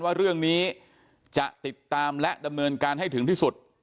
ว่าเรื่องนี้จะติดตามและดำเนินการให้ถึงที่สุด